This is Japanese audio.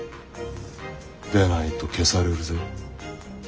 でないと消されるぜ。